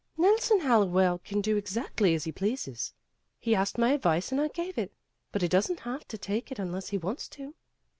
"Nelson Hallowell can do exactly as he pleases. He asked my ad vice and I gave it, but he doesn't have to take it unless he wants to."